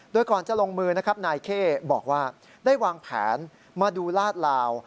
โดยก่อนจะลงมือนะครับนายเข้บอกว่าได้วางแผนมาดูลาดลาว